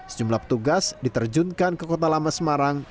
sejumlah petugas diterjunkan ke kota lama semarang